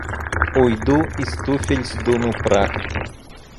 Уйду и с туфель сдуну прах.